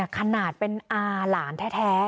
ขนาดเป็นอาหลานแท้